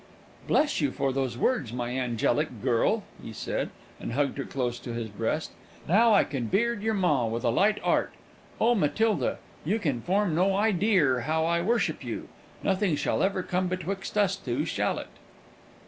"Bless you for those words, my angelic girl!" he said, and hugged her close to his breast. "Now I can beard your ma with a light 'art. Oh, Matilda! you can form no ideer how I worship you. Nothing shall ever come betwixt us two, shall it?"